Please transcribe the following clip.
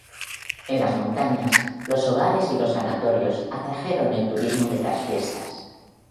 En las montañas, los hogares y los sanatorios atrajeron el turismo de las fiestas.